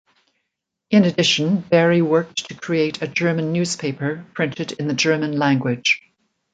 In addition, Barry worked to create a German newspaper printed in the German language.